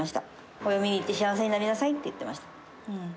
お嫁に行って幸せになりなさいって言ってました。